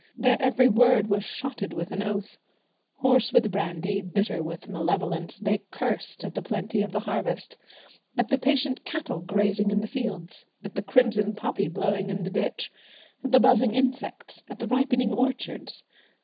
Their every word was shotted with an oath. Hoarse with brandy, bitter with malevolence, they cursed at the plenty of the harvest, at the patient cattle grazing in the fields, at the crimson poppy blowing in the ditch, at the buzzing insects, at the ripening orchards.